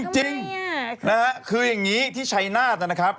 จริงคือยังนี้ที่ไชนาธนะครับ